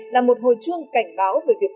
là một hồi trương cảnh báo về việc